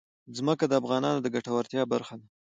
ځمکه د افغانانو د ګټورتیا برخه ده.